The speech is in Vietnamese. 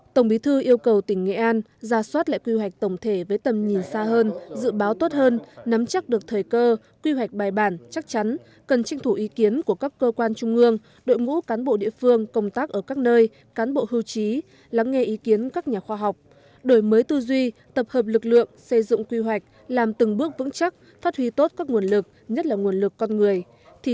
tổng bí thư yêu cầu tỉnh nghệ an ra soát lại quy hoạch tổng thể với tầm nhìn xa hơn dự báo tốt hơn nắm chắc được thời cơ quy hoạch bài bản chắc chắn cần trinh thủ ý kiến của các cơ quan trung ương đội ngũ cán bộ địa phương công tác ở các nơi cán bộ hưu trí lắng nghe ý kiến các nhà khoa học đổi mới tư duy tập hợp lực lượng xây dụng quy hoạch làm từng bước vững chắc phát huy tốt các nguồn lực nhất là nguồn lực con người